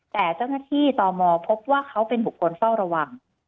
แต่เจ้าหน้าที่ตมพบว่าเขาเป็นบุคคลเฝ้าระวัง